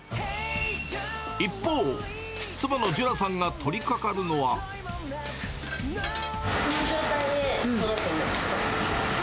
一方、この状態で届くんですけど。